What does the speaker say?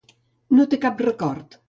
No té cap record.